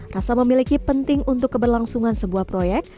rasa memiliki penting untuk keberlangsungan sebuah proyek